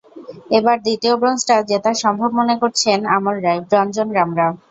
এবার দ্বিতীয় ব্রোঞ্জটা জেতা সম্ভব মনে করছেন অমল রায়, রঞ্জন রামরা।